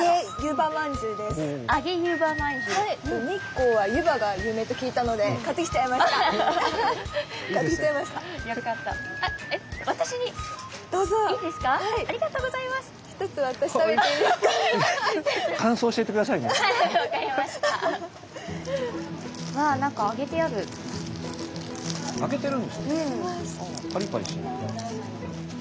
パリパリしてる。